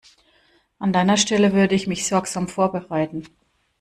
An deiner Stelle würde ich mich sorgsam vorbereiten.